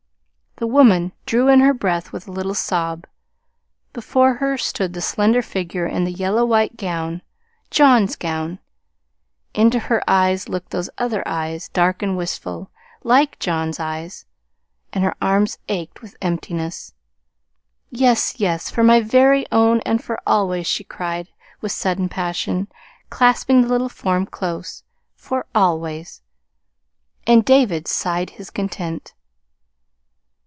The woman drew in her breath with a little sob. Before her stood the slender figure in the yellow white gown John's gown. Into her eyes looked those other eyes, dark and wistful, like John's eyes. And her arms ached with emptiness. "Yes, yes, for my very own and for always!" she cried with sudden passion, clasping the little form close. "For always!" And David sighed his content.